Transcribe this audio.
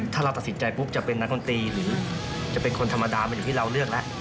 ถ้าเราตัดสินใจปุ๊บจะเป็นนักดนตรีหรือจะเป็นคนธรรมดามันอยู่ที่เราเลือกแล้ว